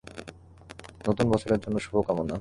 নতুন বছরের জন্য শুভ কামনা।